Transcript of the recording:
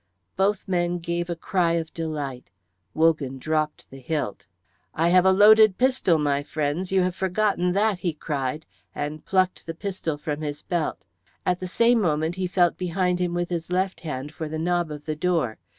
Both men gave a cry of delight. Wogan dropped the hilt. "I have a loaded pistol, my friends; you have forgotten that," he cried, and plucked the pistol from his belt. At the same moment he felt behind him with his left hand for the knob of the door.